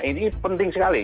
ini penting sekali